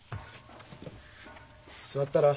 座ったら？